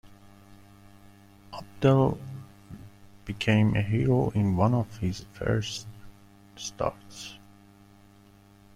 Opdal became a hero in one of his first starts.